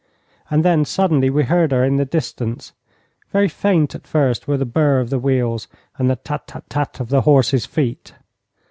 And then suddenly we heard her in the distance. Very faint at first were the birr of wheels and the tat tat tat of the horses' feet.